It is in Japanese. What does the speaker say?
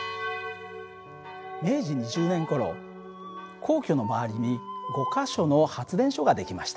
明治２０年ごろ皇居の周りに５か所の発電所が出来ました。